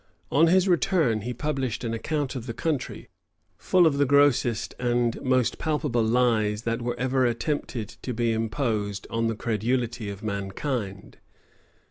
On his return, he published an account of the country, full of the grossest and most palpable lies that were ever attempted to be imposed on the credulity of mankind.